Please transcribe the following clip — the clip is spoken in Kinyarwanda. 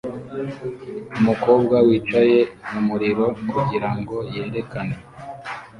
umukobwa wicaye mumuriro kugirango yerekane